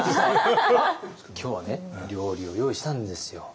今日はね料理を用意したんですよ。